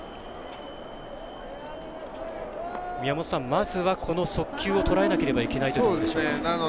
まずは、この速球をとらえていかなければいけないということでしょうか？